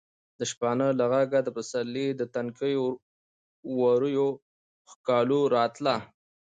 د شپانه له غږه د پسرلي د تنکیو ورویو ښکالو راتله.